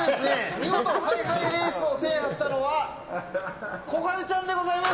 見事、ハイハイレースを制覇したのはこはるちゃんでございます！